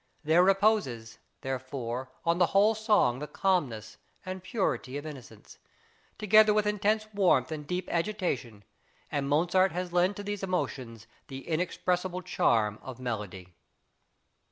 There reposes, therefore, on the whole song the calmness and purity of innocence, together with intense warmth and deep agitation, and Mozart has lent to these emotions the inexpressible charm of melody.